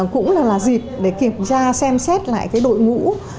cũng là dịp để kiểm tra xem xét lại cái đội ngũ